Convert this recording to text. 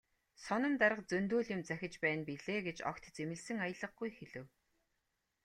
"Соном дарга зөндөө л юм захиж байна билээ" гэж огт зэмлэсэн аялгагүй хэлэв.